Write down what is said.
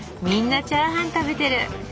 みんなチャーハン食べてる。